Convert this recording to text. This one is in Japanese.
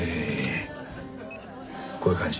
こういう感じ。